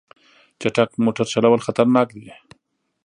چټک موټر چلول خطرناک دي.